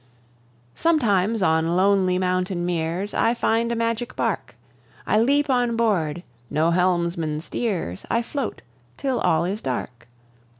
Sometimes on lonely mountain meres I find a magic bark; I leap on board: no helmsman steers, I float till all is dark.